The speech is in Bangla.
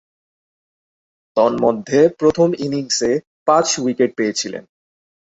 তন্মধ্যে প্রথম ইনিংসে পাঁচ উইকেট পেয়েছিলেন।